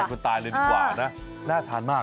คุณยายคุณตาเลยดีกว่านะน่าทานมาก